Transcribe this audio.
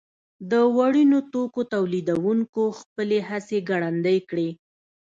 د وړینو توکو تولیدوونکو خپلې هڅې ګړندۍ کړې.